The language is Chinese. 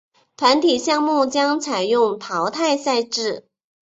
团体项目将采用淘汰赛制。